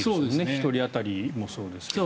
１人当たりもそうですけど。